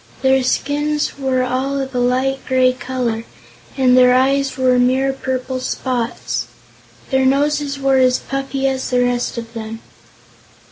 Their skins were all of a light gray color, and their eyes were mere purple spots. Their noses were as puffy as the rest of them.